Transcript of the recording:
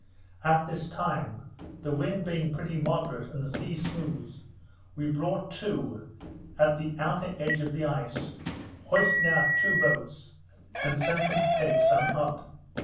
At this time, the wind being pretty moderate, and the sea smooth, we brought to, at the outer edge of the ice, hoisted out two boats, and sent them to take some up.